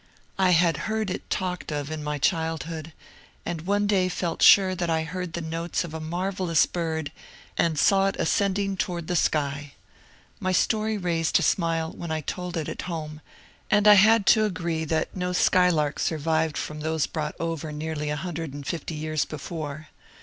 I had EMERSON'S ESSAYS 79 heard it talked of in my childhood, and one day felt sure that I heard the notes of a marvelloas bird and saw it ascending toward the sky. My story raised a smile when I told it at home, and I had to agree that no skylark survived from those brought over nearly a hundred and fifty years before.